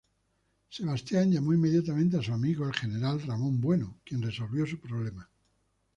Sebastián llamó inmediatamente a su amigo, el General Ramón Bueno, quien resolvió su problema.